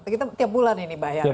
kita tiap bulan ini bayar